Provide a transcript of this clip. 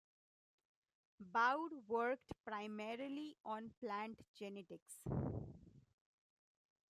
Baur worked primarily on plant genetics.